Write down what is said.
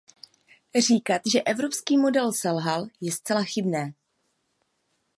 Říkat, že evropský model selhal, je zcela chybné.